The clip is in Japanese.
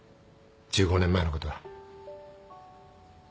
１５年前のことは